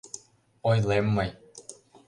— ойлем мый.